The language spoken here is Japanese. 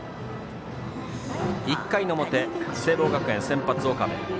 １回の表、聖望学園の先発、岡部。